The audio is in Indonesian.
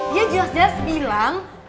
dia jelas jelas bilang